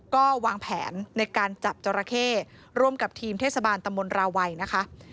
ก็วางแผนในการจับจราเข้ร่วมกับทีมเทศบาลตำบลราวัยนะคะ